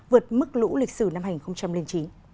vượt mức lũ lịch sử năm hành không trầm lên chín